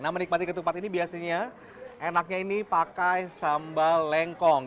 nah menikmati ketupat ini biasanya enaknya ini pakai sambal lengkong